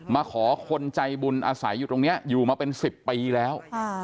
มาขอคนใจบุญอาศัยอยู่ตรงนี้อยู่มาเป็น๑๐ปีแล้ว